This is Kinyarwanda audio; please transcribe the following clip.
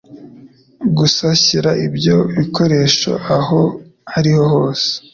Gusa shyira ibyo bikoresho aho ariho hose.